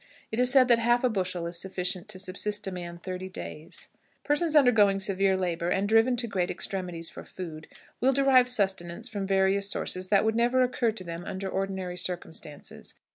It is said that half a bushel is sufficient to subsist a man thirty days. Persons undergoing severe labor, and driven to great extremities for food, will derive sustenance from various sources that would never occur to them under ordinary circumstances.